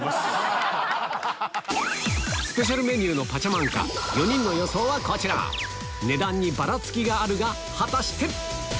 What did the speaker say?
スペシャルメニューのパチャマンカ４人の予想はこちら値段にばらつきがあるが果たして？